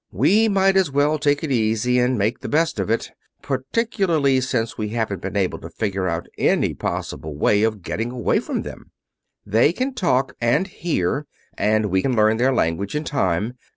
"We might as well take it easy and make the best of it, particularly since we haven't been able to figure out any possible way of getting away from them. They can talk and hear, and we can learn their language in time.